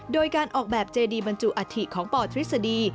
โดยการออกแบบเจดีบรรจุอัฐิของปทฤษฎี